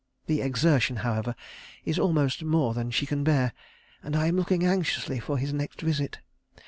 The exertion, however, is almost more than she can bear, and I am looking anxiously for his next visit.